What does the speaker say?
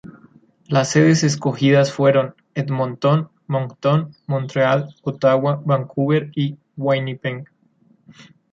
Las sedes escogidas fueron: Edmonton, Moncton, Montreal, Ottawa, Vancouver, y Winnipeg.